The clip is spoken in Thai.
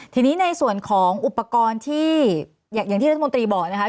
ทีนี้ในส่วนของอุปกรณ์ที่อย่างที่รัฐมนตรีบอกนะคะ